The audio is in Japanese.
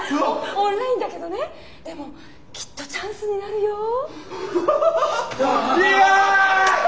オンラインだけどねでもきっとチャンスになるよ。来た。